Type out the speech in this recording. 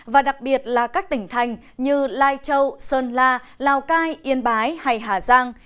và đặc biệt là các tỉnh thành như lai châu sơn la lào cai yên bái hay hà giang